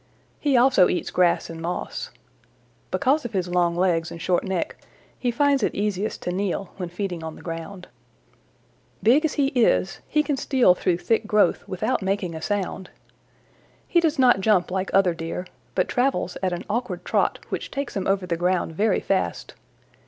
He also eats grass and moss. Because of his long legs and short neck he finds it easiest to kneel when feeding on the ground. "Big as he is, he can steal through thick growth without making a sound. He does not jump like other Deer, but travels at an awkward trot which takes him over the ground very fast.